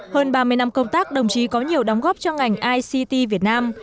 hơn ba mươi năm công tác đồng chí có nhiều đóng góp cho ngành ict việt nam